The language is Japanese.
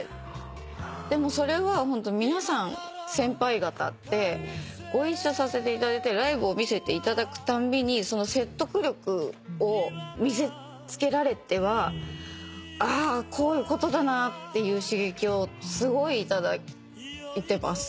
でもそれは皆さん先輩方ってご一緒させていただいたりライブを見せていただくたんびにその説得力を見せつけられてはああこういうことだなっていう刺激をすごい頂いてます。